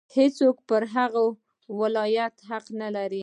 هېڅوک پر هغه د ولایت حق نه لري.